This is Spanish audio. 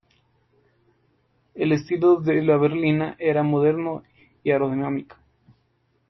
El estilo de la berlina era moderno y aerodinámico.